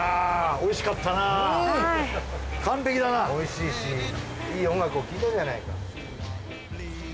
美味しいしいい音楽を聴いたじゃない。